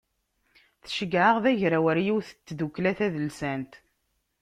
Tceggeɛ-aɣ d agraw ɣer yiwet n tdukla tadelsant.